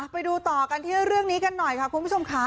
ไปดูต่อกันที่เรื่องนี้กันหน่อยค่ะคุณผู้ชมค่ะ